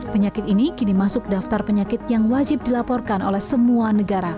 penyakit ini kini masuk daftar penyakit yang wajib dilaporkan oleh semua negara